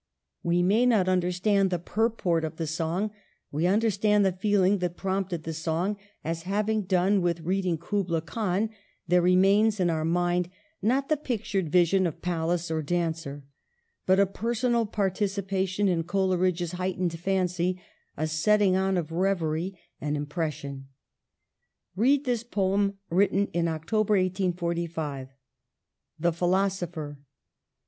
We may not understand the purport of the song, we understand the feeling that prompted the song, as, having done with reading ' Kubla Khan,' there remains in our mind, not the pic tured vision of palace or dancer, but a personal participation in Coleridge's heightened fancy, a setting on of reverie, an impression. Read this poem, written in October, 1845 — THE PHILOSOPHER.